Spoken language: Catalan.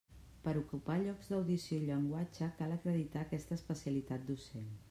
Per ocupar llocs d'audició i llenguatge cal acreditar aquesta especialitat docent.